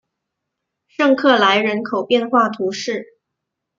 圣克莱人口变化图示